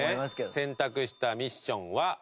選択したミッションは。